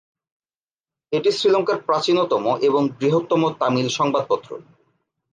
এটি শ্রীলঙ্কার প্রাচীনতম এবং বৃহত্তম তামিল সংবাদপত্র।